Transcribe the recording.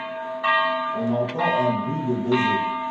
On entend un bruit de baiser.